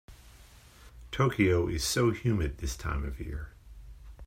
Tokyo is so humid this time of year.